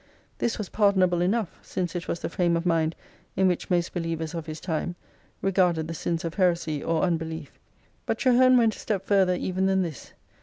This was pardonable enough, since it was the frame of mind in which most believers of his time regarded the sins of heresy or unbelief. But Traherne went a step farther even than this.